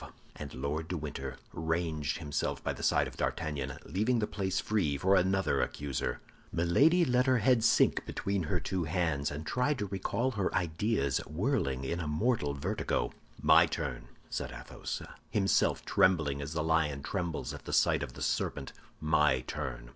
And Lord de Winter ranged himself by the side of D'Artagnan, leaving the place free for another accuser. Milady let her head sink between her two hands, and tried to recall her ideas, whirling in a mortal vertigo. "My turn," said Athos, himself trembling as the lion trembles at the sight of the serpent—"my turn.